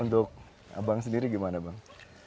untuk abang sendiri gimana bang